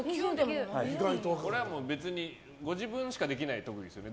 これはご自分にしかできない特技ですよね。